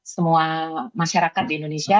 semua masyarakat di indonesia